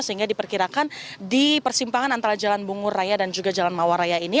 sehingga diperkirakan di persimpangan antara jalan bunguraya dan juga jalan mawaraya ini